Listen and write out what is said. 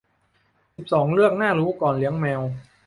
สิบสอง เรื่องน่ารู้ก่อนเลี้ยงแมว